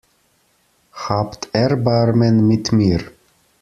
Habt Erbarmen mit mir!